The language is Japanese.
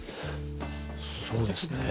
そうですね